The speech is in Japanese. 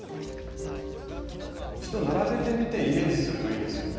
一度並べてみてイメージするといいですよね。